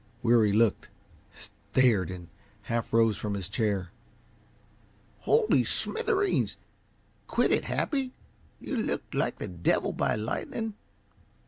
Weary looked, stared, half rose from his chair. "Holy smithereens! Quit it, Happy! You look like the devil by lightning."